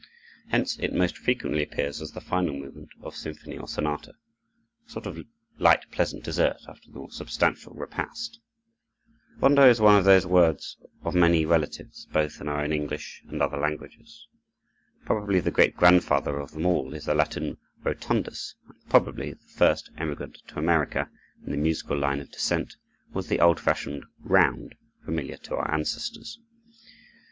Hence it most frequently appears as the final movement of symphony or sonata, a sort of light, pleasant dessert after the more substantial repast. Rondo is one of those words of many relatives, both in our own English and other languages. Probably the great grandfather of them all is the Latin rotundus, and probably the first emigrant to America, in the musical line of descent, was the old fashioned round, familiar to our ancestors.